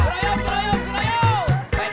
kerayuk kerayuk kerayuk